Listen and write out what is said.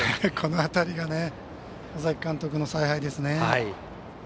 この辺りが尾崎監督の采配ですね。